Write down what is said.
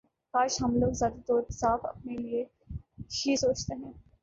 کاش ہم لوگ ذاتی طور پر صرف اپنے لیے ہی سوچتے ہیں